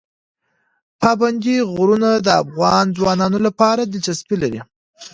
پابندی غرونه د افغان ځوانانو لپاره دلچسپي لري.